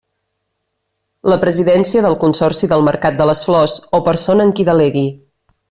La Presidència del Consorci del Mercat de les Flors, o persona en qui delegui.